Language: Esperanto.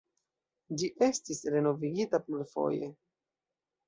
Ĝi estis renovigita plurfoje.